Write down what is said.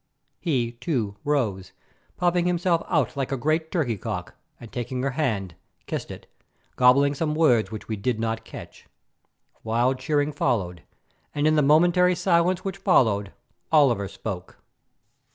He, too, rose, puffing himself out like a great turkey cock, and, taking her hand, kissed it, gobbling some words which we did not catch. Wild cheering followed, and in the momentary silence which followed Oliver spoke.